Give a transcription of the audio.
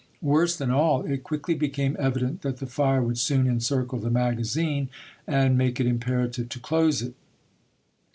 Worse than all, it quickly became evident that the fire would soon encircle the magazine and make it imperative to close it.